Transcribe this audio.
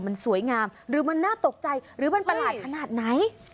มันสวยงามหรือมันน่าตกใจหรือมันประหลาดขนาดไหน